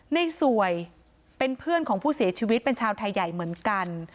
ในสวยเป็นเพื่อนของผู้เสียชีวิตเป็นชาวไทยใหญ่เหมือนกัน